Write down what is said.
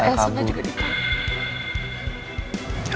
kenapa elsa gak juga ditangkap